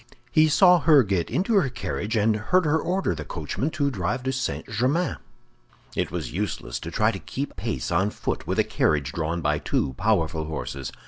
He saw her get into her carriage, and heard her order the coachman to drive to St. Germain. It was useless to try to keep pace on foot with a carriage drawn by two powerful horses.